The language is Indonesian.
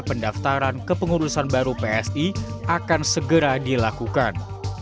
pendaftaran kepengurusan baru psi akan segera dilakukan